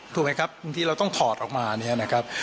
ถูกไหมครับทีนี้เราต้องถอดออกมา